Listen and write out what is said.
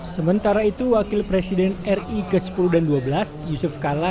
sementara itu wakil presiden ri ke sepuluh dan ke dua belas yusuf kala